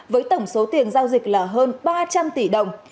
với tổng số tiền giao dịch là hơn ba trăm linh tỷ đồng